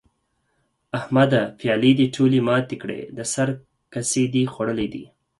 احمده؛ پيالې دې ټولې ماتې کړې؛ د سر کسي دې خوړلي دي؟!